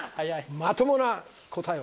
まともな答えを。